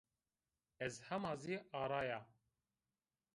Ez hema zî ara ya